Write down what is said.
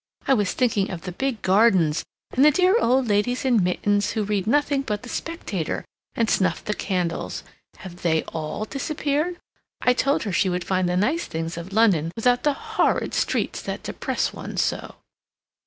I was thinking of the big gardens and the dear old ladies in mittens, who read nothing but the "Spectator," and snuff the candles. Have they all disappeared? I told her she would find the nice things of London without the horrid streets that depress one so."